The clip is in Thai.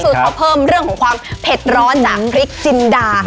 คือเขาเพิ่มเรื่องของความเผ็ดร้อนจากพริกจินดา